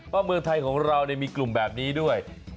เมืองไทยของเรามีกลุ่มแบบนี้ด้วย